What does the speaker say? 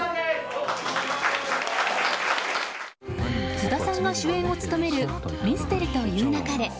菅田さんが主演を務める「ミステリと言う勿れ」。